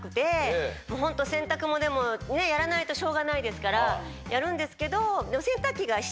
洗濯もでもやらないとしょうがないですからやるんですけど。